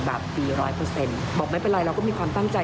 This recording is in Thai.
บอกไม่เป็นไรเราก็มีความตั้งใจ